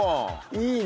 いいね。